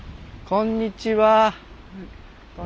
こんにちは。